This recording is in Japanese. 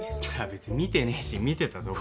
別に見てねえし見てたところで